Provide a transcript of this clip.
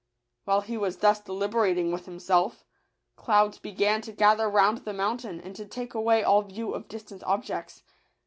While he was thus deliberating with himself, clouds began to gather round the mountain, and to take away all view of distant objects.